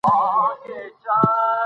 دا پوسټ ډېر په زړه پورې دی.